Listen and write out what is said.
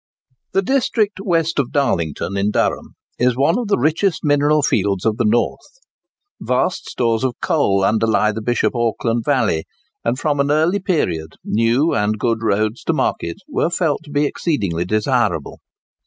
The district west of Darlington, in Durham, is one of the richest mineral fields of the North. Vast stores of coal underlie the Bishop Auckland Valley; and from an early period new and good roads to market were felt to be exceedingly desirable.